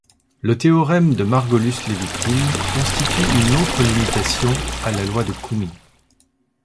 Le théorème de Margolus-Levitin constitue une autre limitation à la loi de Koomey.